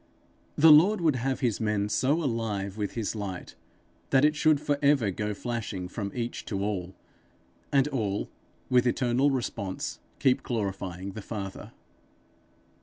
The Lord would have his men so alive with his light, that it should for ever go flashing from each to all, and all, with eternal response, keep glorifying the Father.